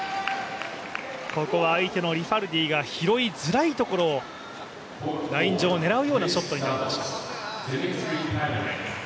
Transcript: ここは相手のリファルディが拾いづらいところをライン上を狙うようなショットになりました。